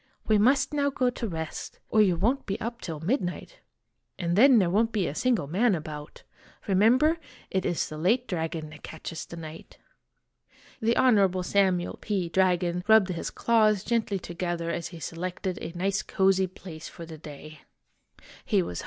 We must now go to rest, or you won't be up till midnight and then there won't be a single man about. Remember, ' It is the late dragon that catches the knight.' The Honorable Samuel P. Dragon rubbed his claws gently to gether as he selected a nice cozy place for the day. He was hum ; THERE WAS NO DOUBT OF THE RESULT.